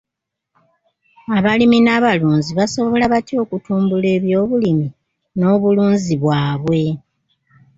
Abalimi n'abalunzi basobola batya okutumbula ebyobulimi n'obulunzi bwabwe?